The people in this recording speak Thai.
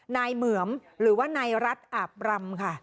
เหมือมหรือว่านายรัฐอาบรำค่ะ